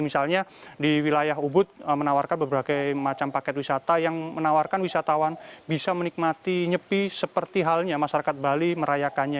misalnya di wilayah ubud menawarkan berbagai macam paket wisata yang menawarkan wisatawan bisa menikmati nyepi seperti halnya masyarakat bali merayakannya